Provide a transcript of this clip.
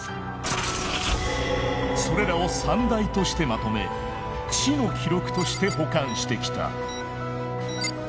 それらを三大としてまとめ「知の記録」として保管してきた。